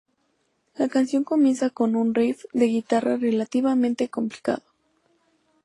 La canción comienza con un riff de guitarra relativamente complicado.